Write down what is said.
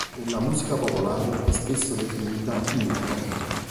Nella musica popolare è spesso definita "intro".